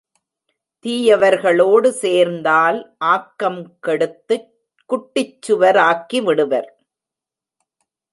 தீயவர்களோடு சேர்ந்தால் ஆக்கம் கெடுத்துச் குட்டிச்சுவர் ஆக்கிவிடுவர்.